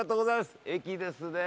駅ですね。